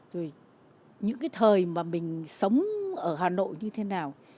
rồi những cái thời mà mình sống ở hà nội như thế nào